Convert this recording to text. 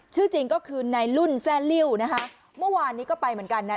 ชื่อจริงก็คือในรุ่นแซ่ลิวนะคะเมื่อวานนี้ก็ไปเหมือนกันนะ